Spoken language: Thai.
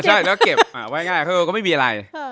ใช่แล้วเก็บไว้ง่ายเขาก็ไม่มีอะไร